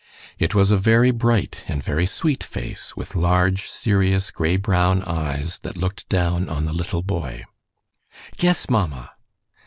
It was a very bright and very sweet face, with large, serious, gray brown eyes that looked down on the little boy. "Guess, mamma!"